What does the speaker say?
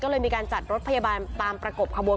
ก็เลยมีการจัดรถพยาบาลตามประกบขบวน